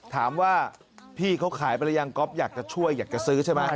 ถามว่าพี่เขาขายไปหรือยังก๊อฟอยากจะช่วยอยากจะซื้อใช่ไหม